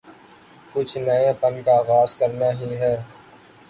کچھ نئے پن کا آغاز کرنا ہی ہے۔